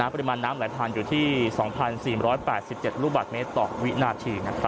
ปริมาณน้ำไหลผ่านอยู่ที่๒๔๘๗ลูกบาทเมตรต่อวินาที